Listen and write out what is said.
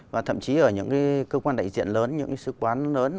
và thậm chí ở những cơ quan đại diện lớn những sứ quán lớn